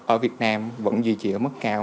ở việt nam vẫn duy trì ở mức cao